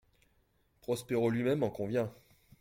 Prospero lui-même en convient.